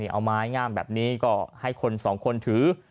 เอาไม้งามแบบนี้ก็ให้คนสองคนถือ